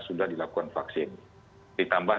sudah dilakukan vaksin ditambah